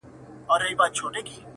تیاري رخصتوم دي رباتونه رڼاکیږي!